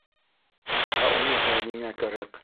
Ә уныһы ниңә кәрәк?